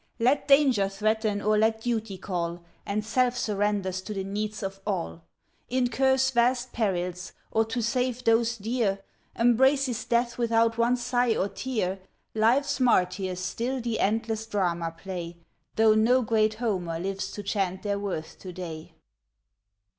Let danger threaten or let duty call, And self surrenders to the needs of all; Incurs vast perils, or, to save those dear, Embraces death without one sigh or tear. Life's martyrs still the endless drama play Though no great Homer lives to chant their worth to day.